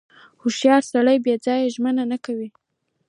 • هوښیار سړی بې ځایه ژمنه نه کوي.